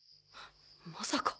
まさか！？